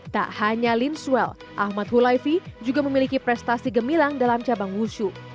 tak hanya lin swell ahmad hulaifi juga memiliki prestasi gemilang dalam cabang wushu